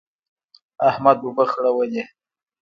احمد اوبه خړولې.